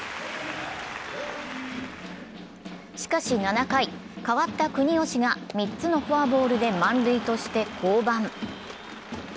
しかし７回、代わった国吉が３つのフォアボールで満塁として降板。